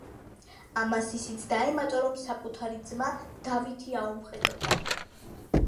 ამას ისიც დაემატა, რომ საკუᲗარი Ძმა, დავითი, აუმხედრდა.